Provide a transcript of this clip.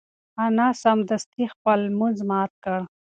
انا سمدستي خپل لمونځ مات کړ.